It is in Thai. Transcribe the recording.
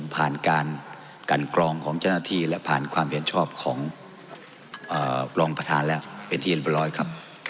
ผ่านการกันกรองของเจ้าหน้าที่และผ่านความเป็นชอบของรองประธานและ